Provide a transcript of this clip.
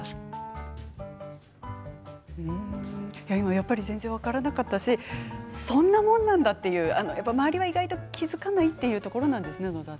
やっぱり全然分からなかったしそんなものなんだと周りは意外と気付かないというところなんですね。